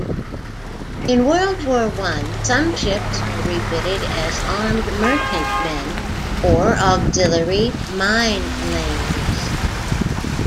In World War One, some ships were refitted as Armed merchantmen or auxiliary minelayers.